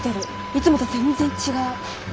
いつもと全然違う。